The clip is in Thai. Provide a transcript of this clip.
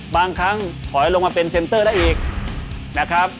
บางครั้งถอยลงมาเป็นเซ็นเตอร์ได้อีกนะครับ